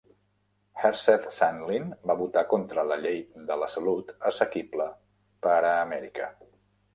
Herseth Sandlin va votar contra la Llei de la salut assequible per a Amèrica.